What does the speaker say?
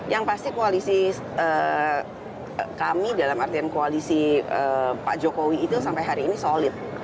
yang pasti koalisi kami dalam artian koalisi pak jokowi itu sampai hari ini solid